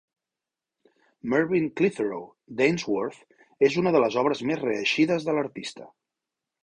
"Mervin Clitheroe" d'Ainsworth és una de les obres més reeixides de l'artista.